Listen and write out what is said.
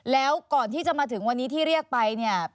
แล้วก่อนที่จะมาถึงวันนี้ที่เรียกไปเนี่ย